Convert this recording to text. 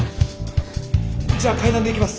じゃあ階段で行きます！